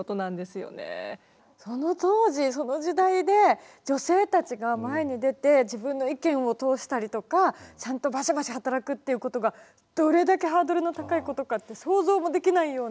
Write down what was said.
その当時その時代で女性たちが前に出て自分の意見を通したりとかちゃんとバシバシ働くっていうことがどれだけハードルの高いことかって想像もできないような。